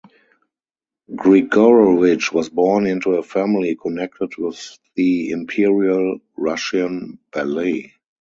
Grigorovich was born into a family connected with the Imperial Russian Ballet.